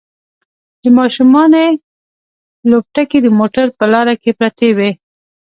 د ماشومانو لوبتکې د موټر په لاره کې پرتې وي